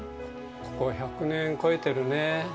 ここは、１００年超えてるね。